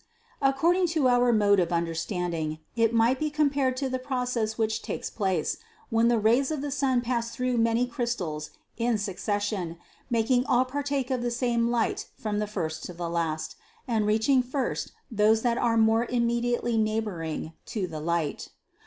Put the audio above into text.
According to our mode of understanding it might be compared to the process which takes place, when the rays of the sun pass through many crystals in succession, making all partake of the same light from the first to the last, and reaching first those that are more immediately neighboring to the light.